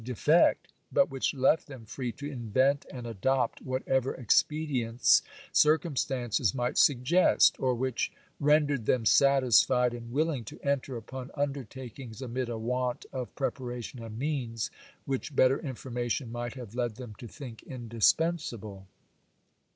defect, but which left them free to invent and adopt whatever expedients circumstances might suggest, or which rendered them satisfied and will ing to enter upon undertakings amid a want of preparation and means, which better information might have led them to think indispensable.